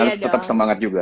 harus tetap semangat juga